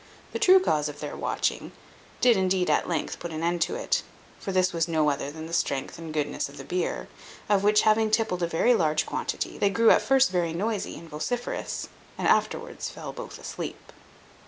The true cause of their watching did, indeed, at length, put an end to it; for this was no other than the strength and goodness of the beer, of which having tippled a very large quantity, they grew at first very noisy and vociferous, and afterwards fell both asleep.